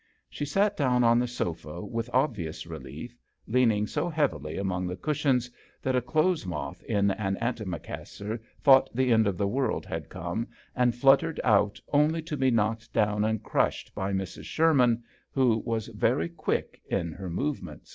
She sat down on the sofa with obvious relief, leaning so heavily among the cushions that a clothes moth in an antimacassar thought the end of the world had come and fluttered out only to be knocked down and crushed by Mrs. Sherman, who was very quick in her movements.